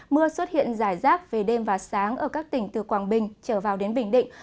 mưa xuất hiện rải rác về đêm và sáng ở các tỉnh từ quảng bình trở vào đến bình định